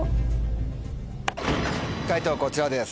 解答こちらです。